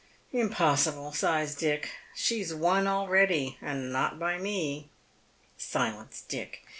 " Impossible," sighs Dick. " She is won already, and not by me." " Silence, Dick.